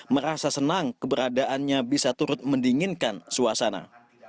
merasa senang keberadaannya bisa turut mendinginkan suasana